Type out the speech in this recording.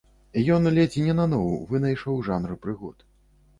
Ён ледзь не наноў вынайшаў жанр прыгод.